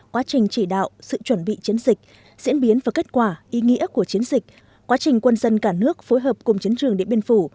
quá trình chỉ đạo sự chuẩn bị chiến dịch diễn biến và kết quả ý nghĩa của chiến dịch quá trình quân dân cả nước phối hợp cùng chiến trường điện biên phủ